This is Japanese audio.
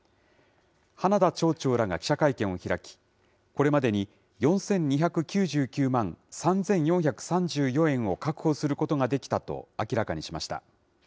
花田町長らが記者会見を開き、これまでに４２９９万３４３４円を確保することができたと明らかにしました。